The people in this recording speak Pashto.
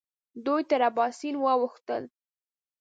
دوی تر اباسین واوښتل.